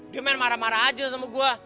dia main marah marah aja sama gue